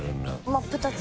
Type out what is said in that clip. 真っ二つ。